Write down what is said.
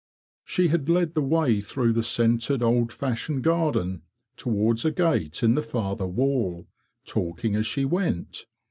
She had led the way through the scented old fashioned garden, towards a gate in the farther wall, talking as she went.